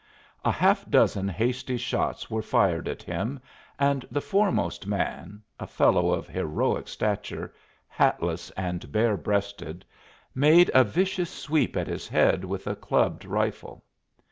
A half dozen hasty shots were fired at him, and the foremost man a fellow of heroic stature, hatless and bare breasted made a vicious sweep at his head with a clubbed rifle.